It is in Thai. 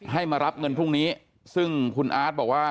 ให้มารับเงินพรุ่งนี้ซึ่งคุณอาร์ตบอกว่า